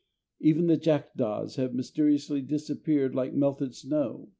Even the jackdaws have mysteriously disappeared like melted snow.